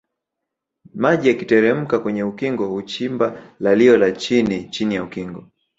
Maji yakiteremka kwenye ukingo huchimba lalio la chini Chini ya ukingo